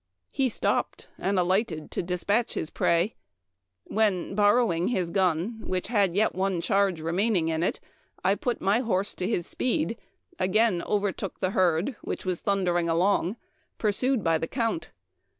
He stopped", and alighted to dispatch his prey, when, borrowing his gun, which had yet a charge remaining in it, I put my horse to his speed, again overtook the herd which was thundering along, pursued by the Count.